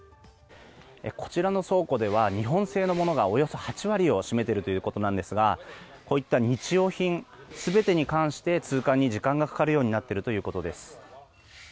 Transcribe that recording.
こちらの倉庫では日本製のものがおよそ８割を占めているということなんですがこういった日用品全てに関して通関に時間がかかるようになっているということです。